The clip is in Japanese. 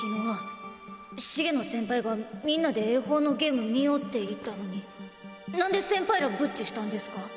茂野先輩がみんなで英邦のゲーム見ようって言ったのになんで先輩らブッチしたんですか？